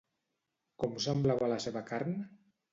Com semblava la seva carn?